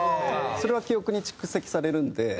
それは記憶に蓄積されるんで。